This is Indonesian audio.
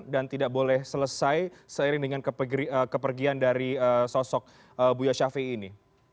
dan tidak boleh selesai seiring dengan kepergian dari sosok buya syafi'i ini